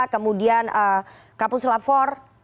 kemudian kapus lafor